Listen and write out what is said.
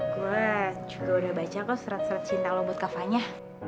gue juga udah baca kan surat surat cinta lo buat kafanya